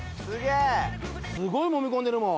すごいもみ込んでるもん。